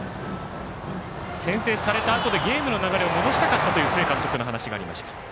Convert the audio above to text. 先制されたあとでゲームの流れを戻したかったという須江監督の話がありました。